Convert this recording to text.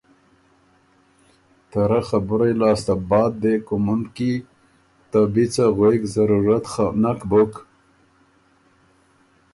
ته رۀ خبُرئ لاسته بعد دې کُومُنکی ته بی څه غوېک ضرورت خه نک بُک